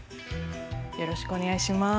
よろしくお願いします。